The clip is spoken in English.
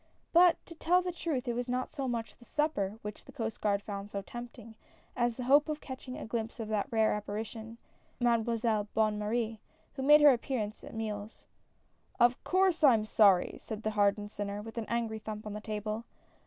But to tell the truth it was not so much the supper which the Coast Guard found so tempting, as the hope of catching a glimpse of that rare apparition, 22 A FISH SUPPER. Mademoiselle Bonne Marie, who made her appearance at meals. " Of course I am sorry ! said the hardened sinner, with an angry thump on the table.